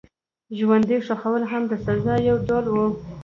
ژوندي ښخول هم د سزا یو ډول و.